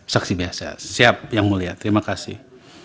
saksi biasa siap yang mulia terima kasih